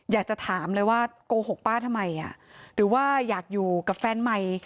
อยากจะถามเลยว่าโกหกป้าทำไมหรือว่าอยากอยู่กับแฟนใหม่